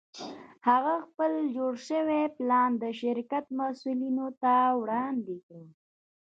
هغه خپل جوړ شوی پلان د شرکت مسوولینو ته وړاندې کړ